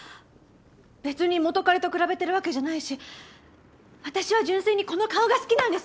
別に元彼と比べてるわけじゃないし私は純粋にこの顔が好きなんです